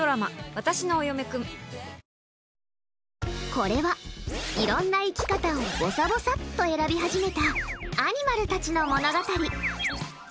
これは、いろんな生き方をぼさぼさっと選び始めたアニマルたちの物語。